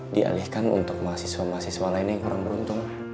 dialihkan untuk mahasiswa mahasiswa lainnya yang kurang beruntung